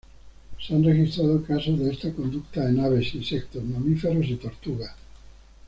Se han registrado casos de esta conducta en aves, insectos, mamíferos y tortugas.